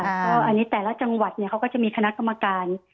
ก็อันนี้แต่ละจังหวัดเขาก็จะมีคณะกรรมการ